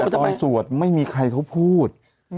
ตอนสวดไม่มีใครเขาพูด